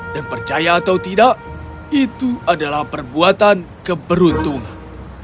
percaya atau tidak itu adalah perbuatan keberuntungan